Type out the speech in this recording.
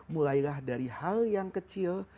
mulailah dari hal yang kecil